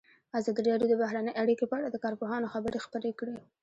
ازادي راډیو د بهرنۍ اړیکې په اړه د کارپوهانو خبرې خپرې کړي.